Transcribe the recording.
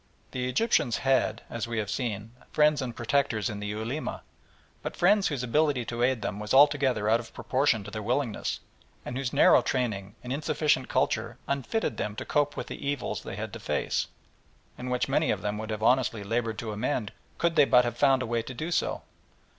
The Egyptians had, as we have seen, friends and protectors in the Ulema, but friends whose ability to aid them was altogether out of proportion to their willingness, and whose narrow training and insufficient culture unfitted them to cope with the evils they had to face, and which many of them would have honestly laboured to amend could they but have found a way to do so.